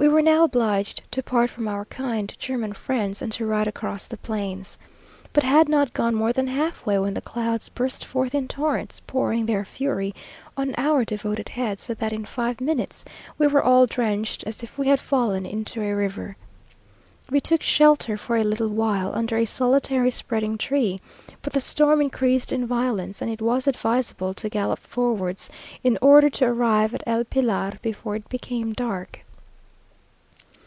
We were now obliged to part from our kind German friends, and to ride across the plains. But had not gone more than halfway, when the clouds burst forth in torrents, pouring their fury on our devoted heads, so that in five minutes we were all drenched as if we had fallen into a river. We took shelter for a little while under a solitary spreading tree, but the storm increased in violence, and it was advisable to gallop forwards, in order to arrive at El Pilar before it became dark.